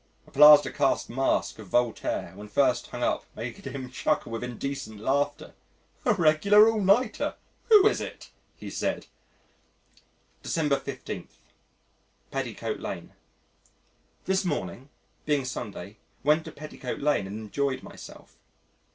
A plaster cast mask of Voltaire when first hung up made him chuckle with indecent laughter. "A regular all nighter. Who is it?" he said. December 15. Petticoat Lane This morning, being Sunday, went to Petticoat Lane and enjoyed myself.